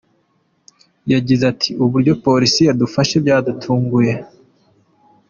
Yagize ati “Uburyo Polisi yadufashe byadutunguye.